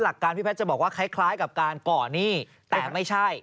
หลักการพี่แพทย์จะบอกว่าคล้ายกับการก่อนหนี้แต่ไม่ใช่